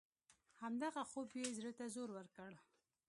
همدغه خوب یې زړه ته زور ورکړ.